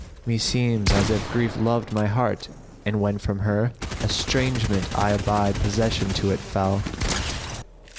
Meseems as if grief loved my heart and when from her * Estrangement I abide possession to it fell."